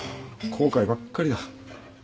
後悔ばっかりだ。